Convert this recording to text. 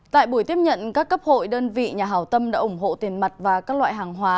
tại buổi tiếp nhận các cấp hội đơn vị nhà hảo tâm đã ủng hộ tiền mặt và các loại hàng hóa